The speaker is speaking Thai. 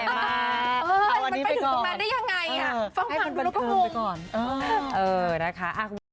มันไปถึงตรงนั้นได้ยังไงฟังดูแล้วก็งงก่อน